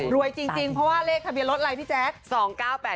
จริงเพราะว่าเลขทะเบียนรถอะไรพี่แจ๊ค